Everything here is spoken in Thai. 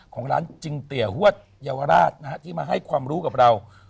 ของร้านจริงเตียฮวดเยาวราชนะฮะที่มาให้ความรู้กับเรา